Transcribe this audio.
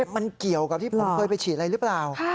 มันเกี่ยวกับที่ผมเคยไปฉีดอะไรหรือเปล่า